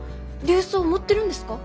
琉装持ってるんですか？